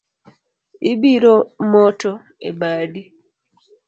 Ibiro moto e badi